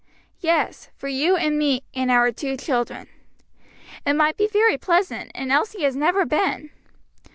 "Yes, for you and me and our two children." "It might be very pleasant, and Elsie has never been."